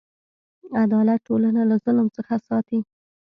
عدالت ټولنه له ظلم څخه ساتي.